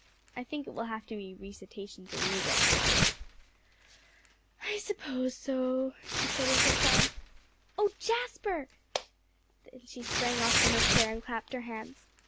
I think it will have to be recitations and music, Polly." "I suppose so," she said with a sigh. "Oh Jasper!" then she sprang off from her chair, and clapped her hands.